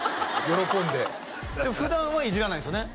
喜んで普段はいじらないんですよね？